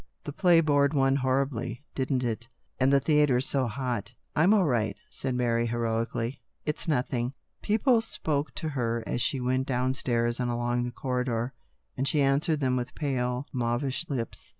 The play bored one horribly, didn't it ? And the theatre's so hot "" I'm all right," said Mary, heroically. " It's nothing." People spoke to her as she went down stairs and along the corridor, and she answered them with pale mauvish lips.